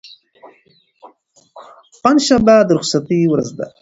پنجشنبه د رخصتۍ ورځ ده.